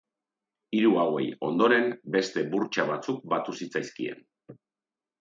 Hiru hauei, ondoren, beste burtsa batzuk batu zitzaizkien.